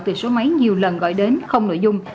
từ số máy nhiều lần gọi đến không nội dung